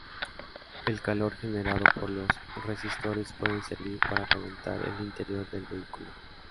El calor generado por los resistores puede servir para calentar el interior del vehículo.